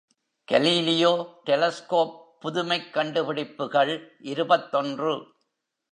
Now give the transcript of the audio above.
Galileo telescope புதுமைக் கண்டுபிடிப்புகள் இருபத்தொன்று.